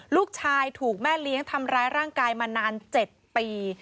ลูกชายถูกแม่เลี้ยงทำร้ายร่างกายมานาน๗ปี